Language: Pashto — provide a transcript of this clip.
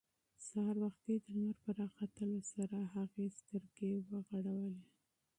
سهار وختي د لمر په راختلو سره هغې سترګې وغړولې.